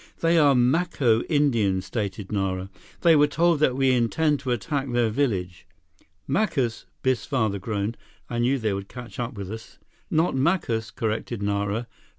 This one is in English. "They are Maco Indians," stated Nara. "They were told that we intend to attack their village." "Macus," Biff's father groaned. "I knew they would catch up with us." "Not Macus," corrected Nara.